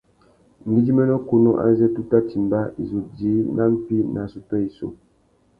Ngüidjiménô kunú azê tu tà timba, i zu djï nà mpí nà assôtô yissú.